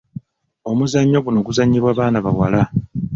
Omuzannyo guno guzannyibwa baana bawala.